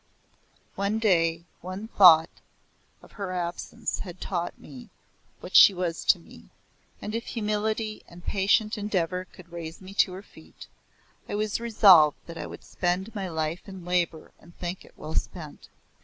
One day, one thought, of her absence had taught me what she was to me, and if humility and patient endeavor could raise me to her feet, I was resolved that I would spend my life in labor and think it well spent.